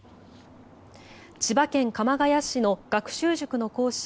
千葉県鎌ケ谷市の学習塾の講師